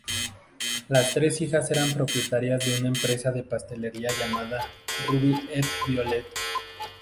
Las tres hijas eran propietarias de una empresa de pastelería llamada "Ruby et Violette".